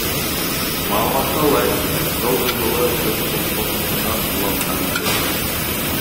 Маалыматка ылайык, жол кыймылы көчкү коркунучунан улам жабылды.